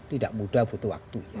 tidak mudah butuh waktu